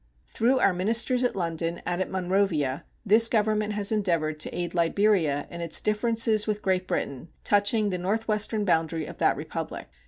Through our ministers at London and at Monrovia this Government has endeavored to aid Liberia in its differences with Great Britain touching the northwestern boundary of that Republic.